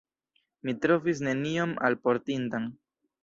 Mi trovis nenion alportindan.